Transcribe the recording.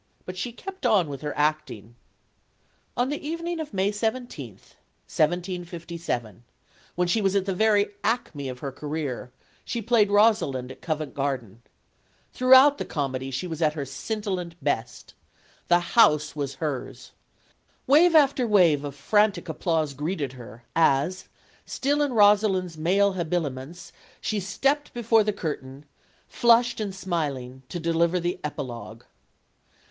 But she kept on with her acting. On the evening of May 17, 1 75 7, when she was 58 STORIES OF THE SUPER WOMEN at the very acme of her career, she played Rosalind at Covent Garden. Throughout the comedy she was at her scintillant best. The house was hers. Wave after wave of frantic applause greeted her, as, still in Rosalind's male habiliments, she stepped before the curtain, flushed and smiling, to deliver the epilogue.